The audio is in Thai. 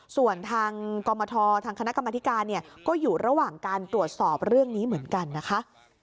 ส่วนทางกรมททางคณะกรรมธิการเนี่ยก็อยู่ระหว่างการตรวจสอบเรื่องนี้เหมือนกันนะคะ